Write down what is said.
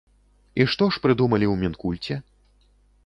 І што ж прыдумалі ў мінкульце?